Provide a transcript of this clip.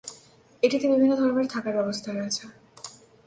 এটিতে বিভিন্ন ধর্মের থাকার ব্যবস্থা রয়েছে।